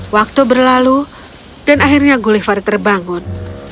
waktu berlalu dan akhirnya gulliver terbangun